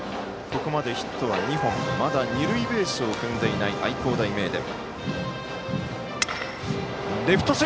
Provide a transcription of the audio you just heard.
ここまでヒットは２本まだ二塁ベースを踏んでいない愛工大名電。